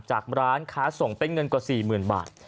ร้านค้าส่งเป็นเงินกว่า๔๐๐๐บาท